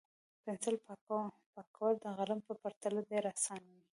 د پنسل پاکول د قلم په پرتله ډېر اسانه وي.